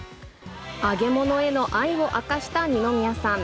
揚げ物への愛を明かした二宮さん。